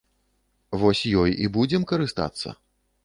Вось ёй і будзем карыстацца.